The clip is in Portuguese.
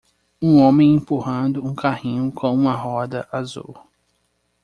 Um homem empurrando um carrinho com uma roda azul.